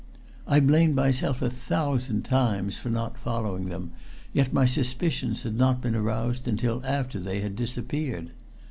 I blamed myself a thousand times for not following them, yet my suspicions had not been aroused until after they had disappeared.